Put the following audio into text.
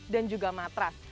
dan juga matras